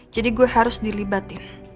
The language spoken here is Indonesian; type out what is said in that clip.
jadi gue harus dilibatin